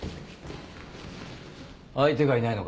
相手がいないのか？